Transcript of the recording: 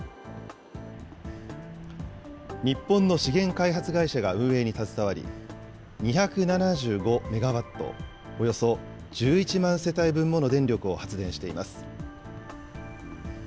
日本の資源開発会社が運営に携わり、２７５メガワット、およそ１１万世帯分もの電力を発電しています。